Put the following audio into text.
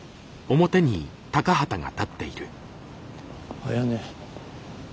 あやね。